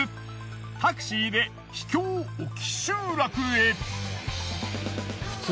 タクシーで秘境沖集落へ。